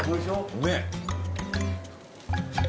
うめえ